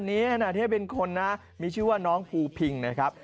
อันนี้ขณะที่เป็นคนนะมีชื่อว่าน้องภูพิงนะครับ